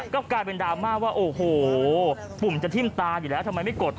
ก็กลายเป็นดราม่าว่าโอ้โหปุ่มจะทิ้มตาอยู่แล้วทำไมไม่กด